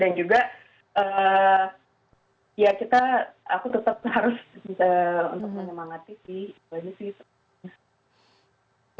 dan juga ya kita aku tetap harus untuk menyemangati sih